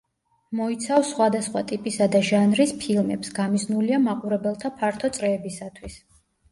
მოიცავს სხვადასხვა ტიპისა და ჟანრის ფილმებს, გამიზნულია მაყურებელთა ფართო წრეებისათვის.